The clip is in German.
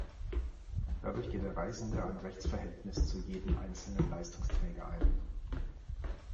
Dadurch geht der Reisende ein Rechtsverhältnis zu jeden einzelnen Leistungsträger ein.